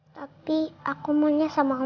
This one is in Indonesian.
tapi aku maunya sama allah